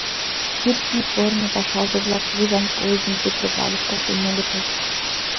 Кӱртньӧ корно пашазе-влак кугыжан поездым Петроградыш колтен огытыл.